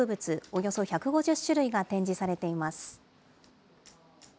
およそ１５０種類が展示されています。